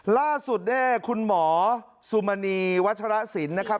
ล่าสุดเนี่ยคุณหมอสุมณีวัชรสินนะครับ